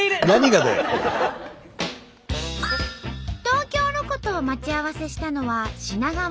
東京ロコと待ち合わせしたのは品川。